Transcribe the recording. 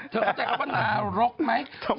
เธอเข้าใจว่านาโรกไหม